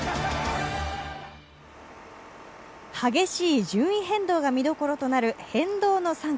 激しい順位変動が見どころとなる変動の３区。